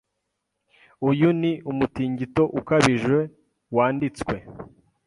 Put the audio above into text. Uyu ni umutingito ukabije wanditswe.